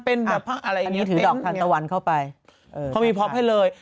อันนี้ถือดอกทันตะวันเข้าไปเขามีพ็อปให้เลย